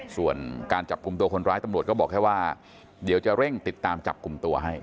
ส่วนการจับกลุ่มตัวคนร้ายตำรวจก็บอกแค่ว่าเดี๋ยวจะเร่งติดตามจับกลุ่มตัวให้